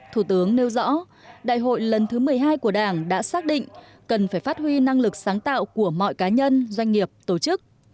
thủ tướng nêu rõ đại hội lần thứ một mươi hai của đảng đã xác định cần phải phát huy năng lực sáng tạo của mọi cá nhân doanh nghiệp tổ chức